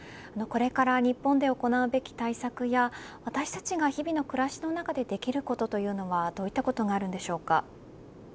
これから日本で行うべき対策や私たちが日々の暮らしの中でできることというのはどういったことがありますか。